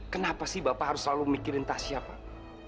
kenapa sih bapak harus selalu mikirin tasya pak